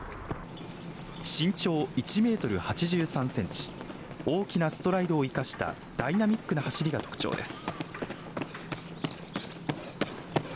身長１メートル８３センチ大きなストライドを生かしたダイナミックな走りが特徴です。